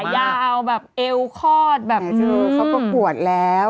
ขายาวแบบเอวข้อตแบบอื้ม